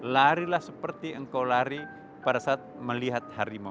larilah seperti engkau lari pada saat melihat harimau